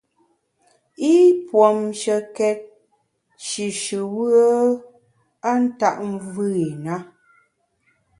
I puomshekét shishùbùe a ntap mvùe i na.